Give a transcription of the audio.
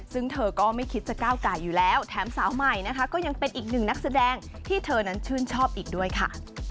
ซึ่งเธอก็ไม่คิดจะก้าวไก่อยู่แล้วแถมสาวใหม่นะคะก็ยังเป็นอีกหนึ่งนักแสดงที่เธอนั้นชื่นชอบอีกด้วยค่ะ